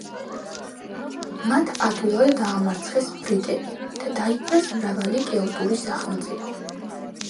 მათ ადვილად დაამარცხეს ბრიტები და დაიპყრეს მრავალი კელტური სახელმწიფო.